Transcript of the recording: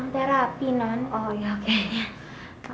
terapi non ok ya oke